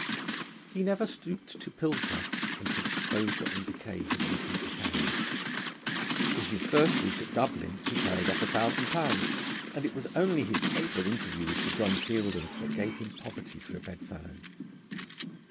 He never stooped to pilfer, until exposure and decay had weakened his hand. In his first week at Dublin he carried off £1000, and it was only his fateful interview with Sir John Fielding that gave him poverty for a bedfellow.